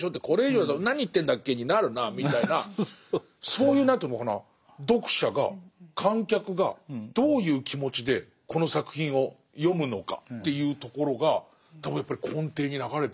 これ以上だと何言ってんだっけになるなぁみたいなそういう何ていうのかな読者が観客がどういう気持ちでこの作品を読むのかっていうところが多分やっぱり根底に流れてるから。